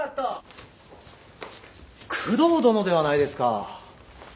工藤殿ではないですか。